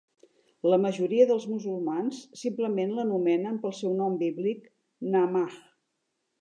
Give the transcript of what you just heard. La majoria dels musulmans simplement l'anomenen pel seu nom bíblic Naamah.